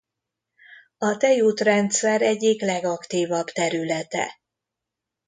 A Tejútrendszer egyik legaktívabb területe.